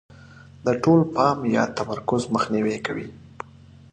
د ټول پام یا تمرکز مخنیوی کوي.